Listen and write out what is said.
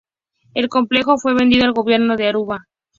El complejo fue vendido al Gobierno de Aruba.